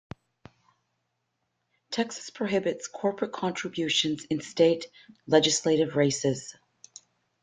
Texas prohibits corporate contributions in state legislative races.